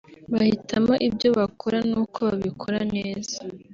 bahitamo ibyo bakora n’uko babikora neza